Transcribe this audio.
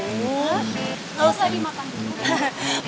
gak usah dimakanin